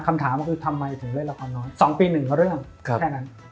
คำถามทำไมถึงเล่นละครน้อยอยู่๒ปีหนึ่งก็เรื่องแค่นั้น